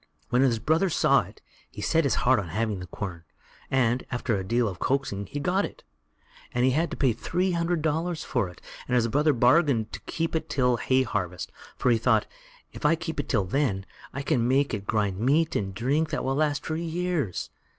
When his brother saw it, he set his heart on having the quern, and, after a deal of coaxing, he got it; but he had to pay three hundred dollars for it, and his brother bargained to keep it till hay harvest, for he thought, if I keep it till then, I can make it grind meat and drink that will last for years.